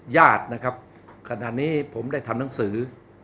ญาตินะครับขณะนี้ผมได้ทำหนังสือ